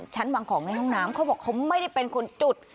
วางของในห้องน้ำเขาบอกเขาไม่ได้เป็นคนจุด